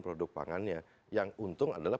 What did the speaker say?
produk pangannya yang untung adalah